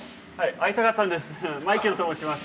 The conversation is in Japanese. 会いたかったんです。